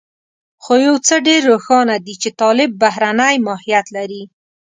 خو يو څه ډېر روښانه دي چې طالب بهرنی ماهيت لري.